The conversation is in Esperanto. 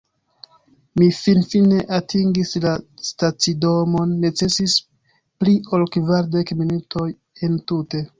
Mi finfine atingis la stacidomon necesis pli ol kvardek minutoj entute